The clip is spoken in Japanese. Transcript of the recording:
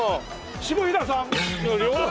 下平さん。